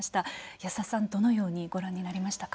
安田さん、どのようにご覧になりましたか。